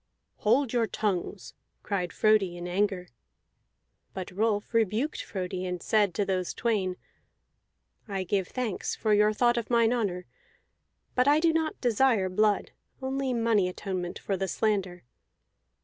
"Hold your tongues!" cried Frodi in anger. But Rolf rebuked Frodi, and said to those twain: "I give thanks for your thought of mine honor. But I do not desire blood, only money atonement for the slander.